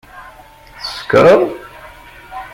Tsekṛeḍ?